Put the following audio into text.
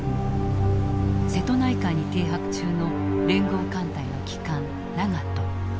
瀬戸内海に停泊中の聯合艦隊の旗艦長門。